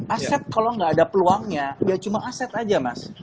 aset kalau nggak ada peluangnya ya cuma aset aja mas